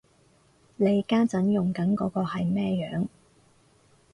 你家陣用緊嗰個係咩樣